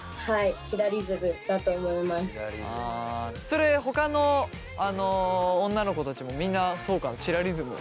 それほかの女の子たちもみんなそうかなチラリズム。